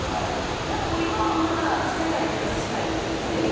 やっぱり今はまだ着けたり外したりっていうのが。